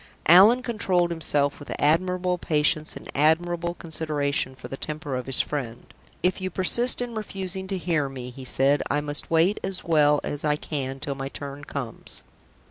Allan controlled himself with admirable patience and admirable consideration for the temper of his friend. "If you persist in refusing to hear me," he said, "I must wait as well as I can till my turn comes."